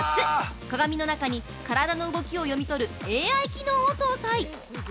鏡の中に、身体の動きを読み取るＡＩ機能を搭載！